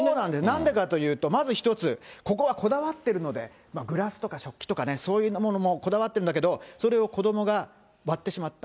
なんでかというと、まず一つ、ここはこだわってるので、グラスとか食器とかね、そういうものにもこだわってるんだけど、それを子どもが割ってしまった。